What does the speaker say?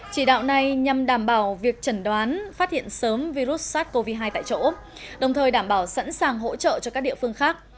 chỉ đạo này nhằm đảm bảo việc chẩn đoán phát hiện sớm virus sars cov hai tại chỗ đồng thời đảm bảo sẵn sàng hỗ trợ cho các địa phương khác